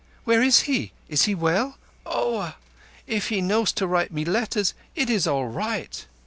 "Where is he? Is he well? Oah! If he knows to write me letters, it is all right."